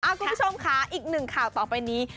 คุณผู้ชมค่ะอีกหนึ่งข่าวต่อไปนี้